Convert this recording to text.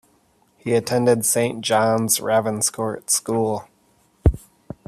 He attended Saint John's-Ravenscourt School.